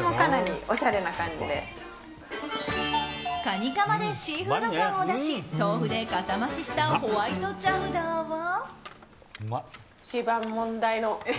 カニかまでシーフード感を出し豆腐でかさ増ししたホワイトチャウダーは？